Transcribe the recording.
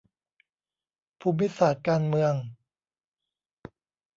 ภูมิศาสตร์การเมือง